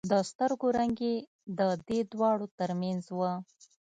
د سترګو رنگ يې د دې دواړو تر منځ و.